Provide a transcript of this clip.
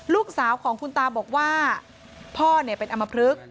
ลูกสาวของคุณตาบอกว่าพ่อเป็นอมพลึก